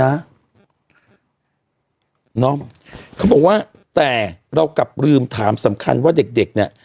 น้องเขาบอกว่าแต่เรากลับลืมถามสำคัญว่าเด็กเด็กเนี่ย